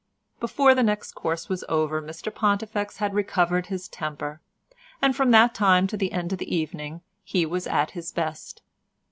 Before the next course was over Mr Pontifex had recovered his temper, and from that time to the end of the evening he was at his best.